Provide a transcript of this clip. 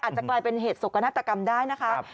อาจจะกลายเป็นเหตุสกนาฏกรรมได้นะคะ